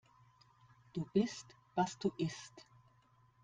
Du bist, was du isst.